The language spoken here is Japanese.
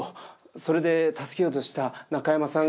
それで助けようとした中山さんが。